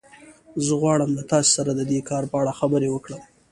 زه غواړم له تاسو سره د دې کار په اړه خبرې وکړم